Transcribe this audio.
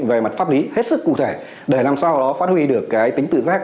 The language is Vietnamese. về mặt pháp lý hết sức cụ thể để làm sao đó phát huy được cái tính tự giác